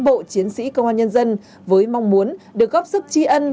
các cán bộ chiến sĩ công an nhân dân với mong muốn được góp sức tri ân